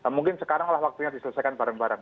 mungkin sekarang lah waktunya diselesaikan bareng bareng